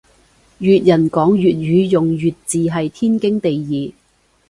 粵人講粵語用粵字係天經地義